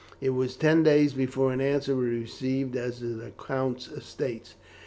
It was ten days before an answer was received as to the count's estates.